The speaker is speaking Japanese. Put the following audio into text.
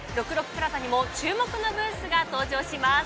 プラザにも注目のブースが登場します。